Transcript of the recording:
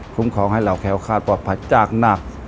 ครองให้เราแค้วคาดปลอดภัยจากหนัก